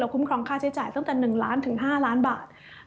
คุ้มครองค่าใช้จ่ายตั้งแต่๑ล้านถึง๕ล้านบาท